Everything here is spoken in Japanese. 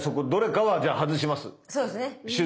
そうですね。